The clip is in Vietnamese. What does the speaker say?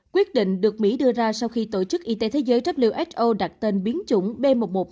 quyết định được mỹ đưa ra sau khi tổ chức y tế thế giới who đặt tên biến chủng b một một năm trăm hai mươi chín